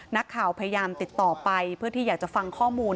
นักข่าวพยายามติดต่อไปเพื่อที่อยากจะฟังข้อมูล